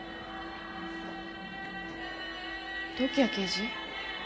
時矢刑事？